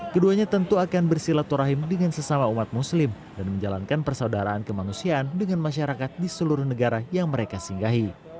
keduanya tentu akan bersilaturahim dengan sesama umat muslim dan menjalankan persaudaraan kemanusiaan dengan masyarakat di seluruh negara yang mereka singgahi